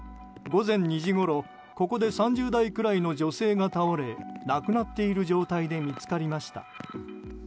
午前２時ごろ、ここで３０代くらいの女性が倒れ亡くなっている状態で見つかりました。